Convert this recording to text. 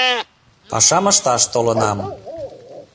— Пашам ышташ толынам.